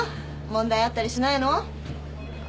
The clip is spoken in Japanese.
問題あったりしないの？